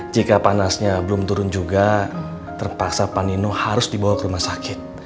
jika panasnya belum turun juga terpaksa panino harus dibawa ke rumah sakit